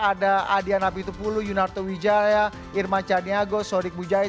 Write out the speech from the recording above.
ada adia napitupulu yunarto wijaya irma chaniago sordik bujaya